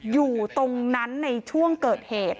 อยู่ตรงนั้นในช่วงเกิดเหตุ